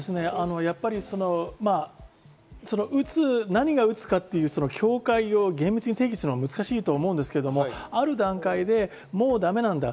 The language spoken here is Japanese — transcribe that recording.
何がうつかっていう境界を厳密に定義するのは難しいと思うんですけど、ある段階でもうだめなんだ。